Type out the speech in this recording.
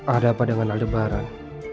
ada apa dengan aldi baran